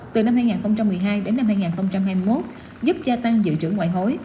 từ năm hai nghìn một mươi hai đến năm hai nghìn hai mươi một giúp gia tăng dự trữ ngoại hối